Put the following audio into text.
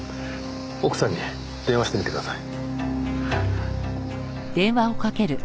奥さんに電話してみてください。